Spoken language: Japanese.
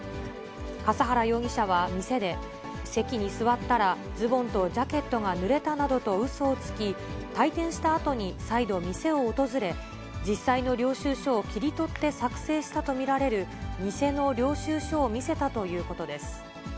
笠原容疑者は店で、席に座ったら、ズボンとジャケットがぬれたなどとうそをつき、退店したあとに再度店を訪れ、実際の領収書を切り取って作成したと見られる、偽の領収書を見せたということです。